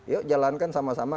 yuk jalankan sama sama